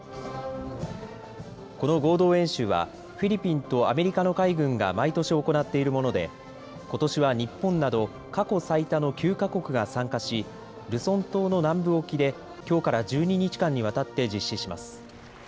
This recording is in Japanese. この合同演習はフィリピンとアメリカの海軍が毎年行っているものでことしは日本など過去最多の９か国が参加しルソン島の南部沖で、きょうから１２日間にわたって実施します。